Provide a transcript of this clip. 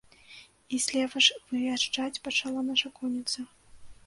І злева ж выязджаць пачала наша конніца.